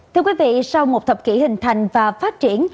thưa quý vị sau một thập kỷ hình thành và phát triển